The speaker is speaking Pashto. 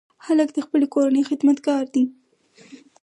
هلک د خپلې کورنۍ خدمتګار دی.